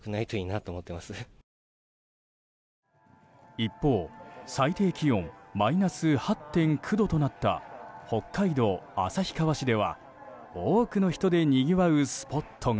一方、最低気温マイナス８．９度となった北海道旭川市では多くの人でにぎわうスポットが。